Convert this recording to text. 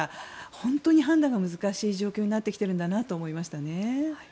本当に判断が難しい状況になってきているんだなと思いましたね。